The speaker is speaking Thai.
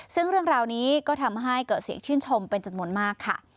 ซึ่งเรื่องราวนี้ก็ทำให้เกิดเสียงชื่นชมเป็นจำนวนมากค่ะ